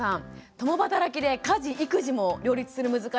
共働きで家事育児も両立する難しさ